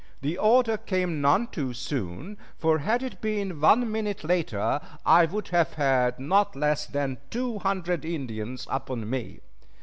The order came none too soon, for had it been one minute later I would have had not less than two hundred Indians upon me.